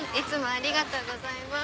ありがとうございます！